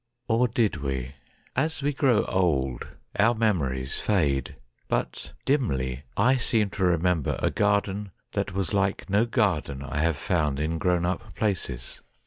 Or did we? As we grow old our memories fade, but dimly I seem to remember a garden that was like no garden I have found in grown up places.